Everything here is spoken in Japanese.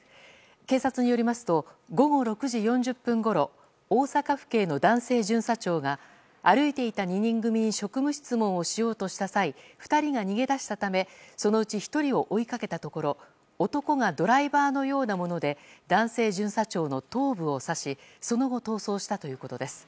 警察によりますと午後６時４０分ごろ大阪府警の男性巡査長が歩いていた２人組に職務質問をしようとした際２人が逃げ出したためそのうち１人を追いかけたところ男がドライバーのようなもので男性巡査長の頭部を刺しその後、逃走したということです。